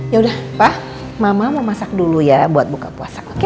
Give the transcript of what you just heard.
yaudah pak mama mau masak dulu ya buat buka puasa oke